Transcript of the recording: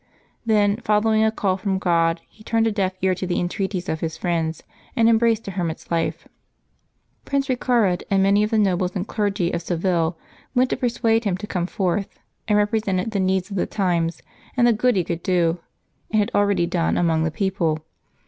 Then, following a call from God, he turned a deaf ear to the entreaties of his friends, and embraced a hermit's life. Prince Eecared and many of the nobles and clergy of Seville went to persuade him to come forth, and represented the needs of the times, and the good he could do, and had already done, among the people.